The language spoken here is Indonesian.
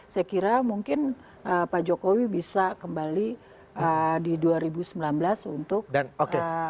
saya kira mungkin pak jokowi bisa kembali di dua ribu sembilan belas untuk